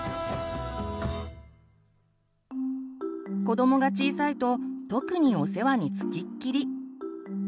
子どもが小さいと特にお世話に付きっきり。